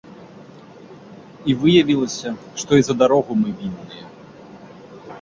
І выявілася, што і за дарогу мы вінныя.